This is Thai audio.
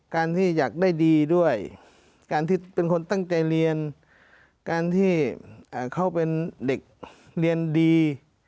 การที่อยากได้ดีด้วยการที่เป็นคนตั้งใจเรียนการที่เขาเป็นเด็กเรียนดี